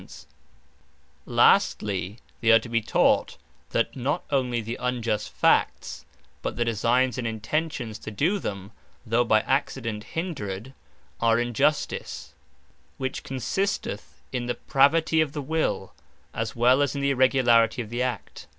And To Do All This Sincerely From The Heart Lastly, they are to be taught, that not onely the unjust facts, but the designes and intentions to do them, (though by accident hindred,) are Injustice; which consisteth in the pravity of the will, as well as in the irregularity of the act.